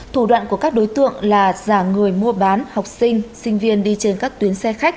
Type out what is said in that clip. thủ đoạn của các đối tượng là giả người mua bán học sinh sinh viên đi trên các tuyến xe khách